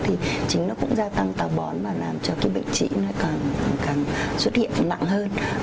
thì chính nó cũng gia tăng tàu bón và làm cho cái bệnh trị nó càng xuất hiện nặng hơn